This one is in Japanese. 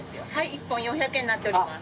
１本４００円になっております。